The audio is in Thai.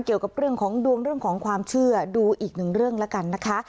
เกี่ยวกับเรื่องของดวงเรื่องของความเชื่อดูอีกหนึ่งเรื่องแล้วกันนะคะ